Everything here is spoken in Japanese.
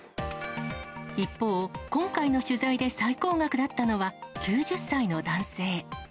一方、今回の取材で最高額だったのは、９０歳の男性。